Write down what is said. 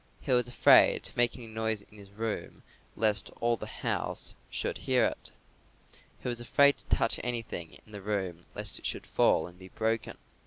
He was afraid to make any noise in his room lest all the house should hear it. He was afraid to touch anything in the room lest it should fall and be broken.